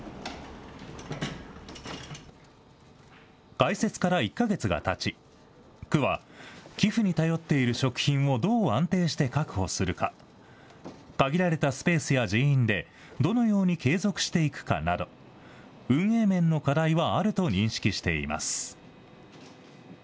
開設から１か月がたち、区は寄付に頼っている食品をどう安定して確保するか、限られたスペースや人員でどのように継続していくかなど、運営面の課題はあると認識しています。